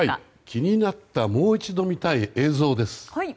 気になったもう一度見たい映像です。